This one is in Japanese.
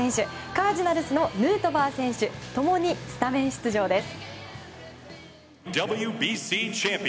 カージナルスのヌートバー選手共に、スタメン出場です。